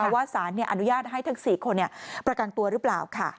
ว่าสารอนุญาตให้ทั้ง๔คนประกันตัวหรือเปล่า